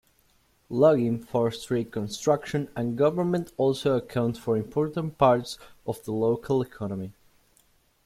Logging, forestry, construction and government also account for important parts of the local economy.